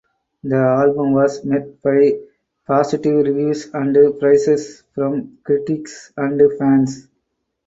The album was met by positive reviews and praise from critics and fans.